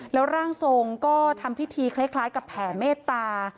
แล้วร่างทรงก็ทำพิธีคล้ายกับแผ่เมตตา